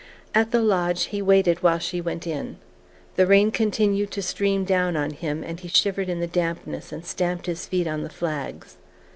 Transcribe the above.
At the lodge he waited while she went in. The rain continued to stream down on him and he shivered in the dampness and stamped his feet on the flags.